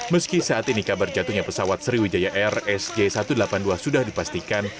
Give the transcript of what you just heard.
meski saat ini kabar jatuhnya pesawat sriwijaya air sj satu ratus delapan puluh dua sudah dipastikan